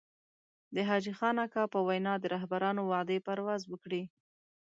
د حاجي خان اکا په وينا د رهبرانو وعدې پرواز وکړي.